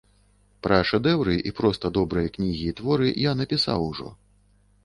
Пра шэдэўры і проста добрыя кнігі і творы я напісаў ужо.